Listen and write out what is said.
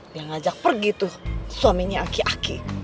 dia ngajak pergi tuh suaminya aki aki